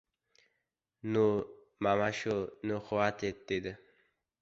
— Nu, mamasha, nu, xvatit! — dedi.